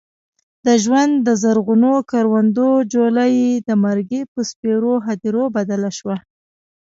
د ژوند د زرغونو کروندو جوله یې د مرګي په سپېرو هديرو بدله شوه.